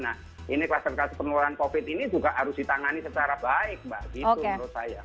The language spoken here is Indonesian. nah ini kluster kluster penularan covid ini juga harus ditangani secara baik mbak gitu menurut saya